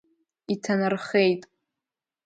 Иҭанархеит!